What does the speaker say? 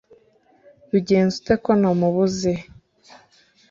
bigenze ute ko namubuze